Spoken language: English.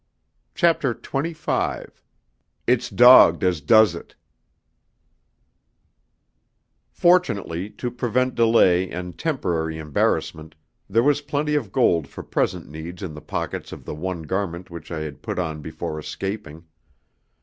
CHAPTER XXV "It's Dogged as Does It" Fortunately, to prevent delay and temporary embarrassment, there was plenty of gold for present needs in the pockets of the one garment which I had put on before escaping.